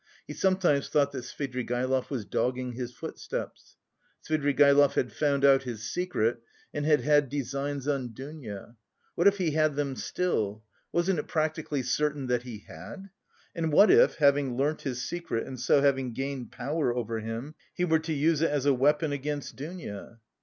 He sometimes thought that Svidrigaïlov was dogging his footsteps. Svidrigaïlov had found out his secret and had had designs on Dounia. What if he had them still? Wasn't it practically certain that he had? And what if, having learnt his secret and so having gained power over him, he were to use it as a weapon against Dounia?